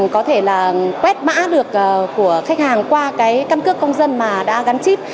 có thể là quét mã được của khách hàng qua cái căn cước công dân mà đã gắn chip